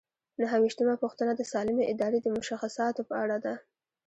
نهه ویشتمه پوښتنه د سالمې ادارې د مشخصاتو په اړه ده.